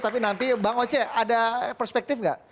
tapi nanti bang oce ada perspektif nggak